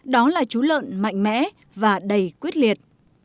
đó là chú lợn mạnh mẽ và đầy quyết liệt